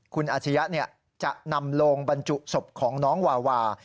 คุณอาชียะจะนำโลงบรรจุศพของน้องวาวา